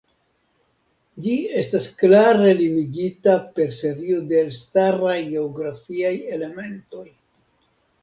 Ĝi estas klare limigita per serio de elstaraj geografiaj elementoj.